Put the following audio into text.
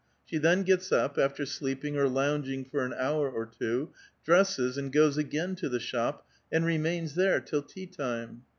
She then gets up, after sleeping or lounging for an hour or two, dresses, and goes again to the shop, and remains there till tea lime.